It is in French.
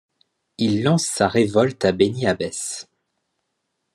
Il lance sa révolte à Béni Abbès.